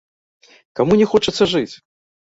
Каму не хочацца жыць?